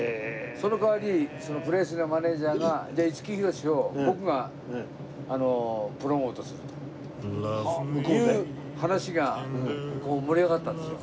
その代わりプレスリーのマネジャーがじゃあ五木ひろしを僕がプロモートすると。という話がこう盛り上がったんですよ。